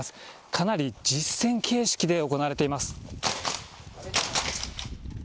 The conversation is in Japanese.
かなり実戦形式で行われます。